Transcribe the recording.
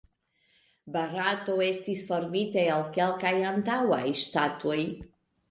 Barato estis formita el kelkaj antaŭaj ŝtatoj.